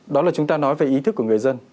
đó là chúng ta nói về ý thức của người dân